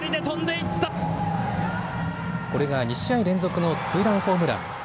これが２試合連続のツーランホームラン。